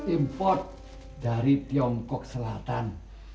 impor dari tiongkok selatan